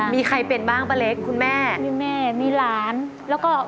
มีใครเป็นบ้างป้าเล็กคุณแม่มีแม่มีหลานแล้วก็